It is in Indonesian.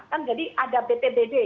kan jadi ada btbd